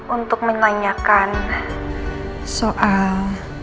untuk menanyakan soal